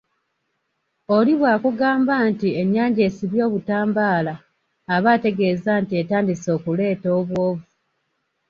Oli bw'akugamba nti ennyanja esibye obutambaala aba ategeeza nti etandise okuleeta obwovu